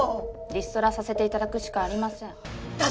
リストラさせていただくしかありません